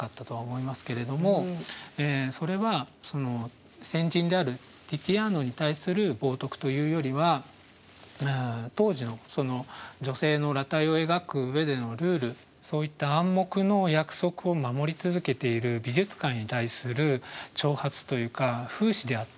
それは先人であるティツィアーノに対する冒とくというよりは当時の女性の裸体を描く上でのルールそういった暗黙の約束を守り続けている美術界に対する挑発というか風刺であったと言っていいと思います。